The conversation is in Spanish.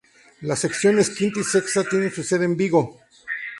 Las secciones quinta y sexta tienen su sede en Vigo.